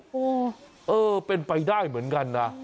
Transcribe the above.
โอ้โหเออเป็นไปได้เหมือนกันนะ